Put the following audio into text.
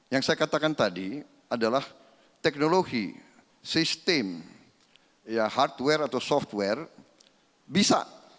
yang saya katakan tadi adalah teknologi sistem hardware atau software bisa